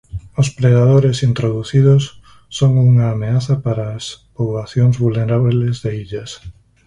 Os predadores introducidos son unha ameaza para as poboacións vulnerables de illas.